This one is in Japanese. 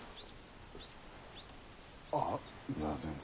あっいやでも。